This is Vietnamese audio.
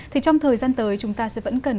thì trong thời gian tới chúng ta sẽ vẫn cần